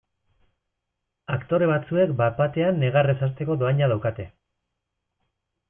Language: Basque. Aktore batzuek bat batean negarrez hasteko dohaina daukate.